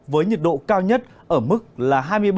với nhiệt độ cao nhất ở mức là hai mươi ba